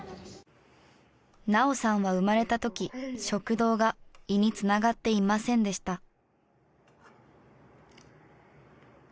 菜桜さんは生まれた時食道が胃につながっていませんでした。